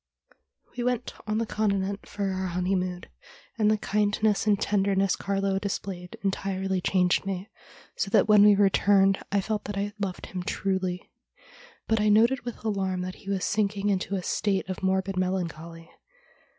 ' We went on the Continent for our honeymoon, and the kindness and tenderness Carlo displayed entirely changed me, so that when we returned I felt that I loved him truly. But I noted with alarm that he was sinking into a state of morbid melancholy.